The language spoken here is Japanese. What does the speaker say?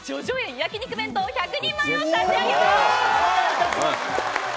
焼肉弁当１００人前を差し上げます。